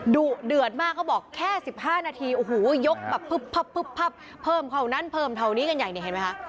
ดุเดือดมากเขาบอกแค่๑๕นาทีโอ้โหยกแบบพึบพับเพิ่มเท่านั้นเพิ่มเท่านี้กันใหญ่เนี่ยเห็นไหมคะ